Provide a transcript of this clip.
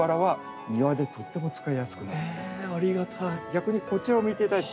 逆にこちらを見ていただいて。